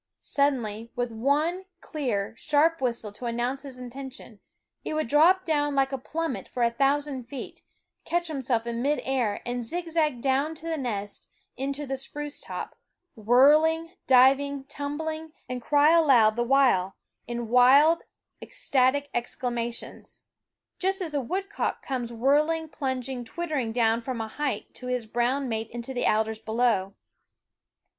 Suddenly, with one clear, sharp whistle to announce his inten tion, he would drop like a plummet for a thousand feet, catch himself in mid air, and zigzag down to the nest in the spruce top, whirling, diving, tumbling, and crying aloud the while in wild, ecstatic exclamations, just as a woodcock comes whirling, plunging, twittering down from a height to his brown mate in the alders below.